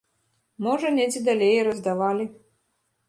Можа недзе далей і раздавалі.